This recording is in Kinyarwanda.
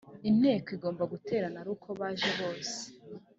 inteko igomba guterana ari uko baje bose